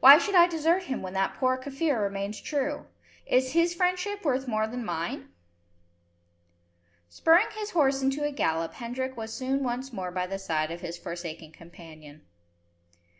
Why should I desert him when that poor Kaffir remains true? If his friendship worth more than mine?" Spurring his horse into a gallop, Hendrik was soon once more by the side of his forsaken companion.